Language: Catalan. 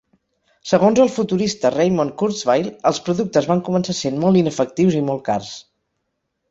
Segons el futurista Raymond Kurzweil, els productes van començar sent molt inefectius i molt cars.